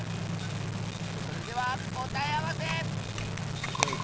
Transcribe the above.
それではこたえあわせ！